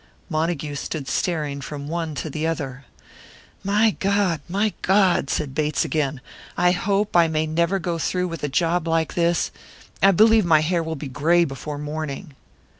Montague stood staring from one to the other. "My God, my God!" said Bates, again. "I hope I may never go through with a job like this I believe my hair will be grey before morning!"